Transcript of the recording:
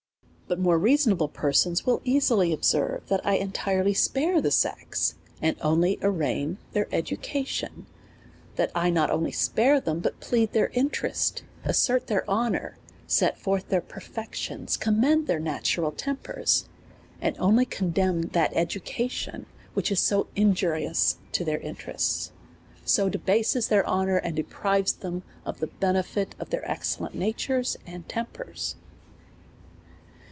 But more reasonable persons will easily observe, that I entirely spare the sex, and only arraign their education ; that 1 not only spare them, but plead their interest, assert their honour, set forth their perfections, commend their natural tempers, and only condemn that education which is so injurious to their interests, so debase* their honour, and deprives them of the be nefit of their excellent natures and tempers.